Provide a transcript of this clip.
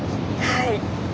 はい。